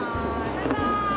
バイバイ！